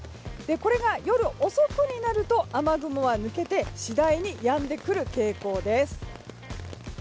これが夜遅くになると雨雲は抜けて次第にやんでくる傾向です。